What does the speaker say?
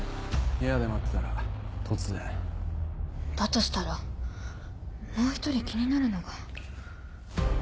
部屋で待ってたら突然だとしたらもう一人気になるのが。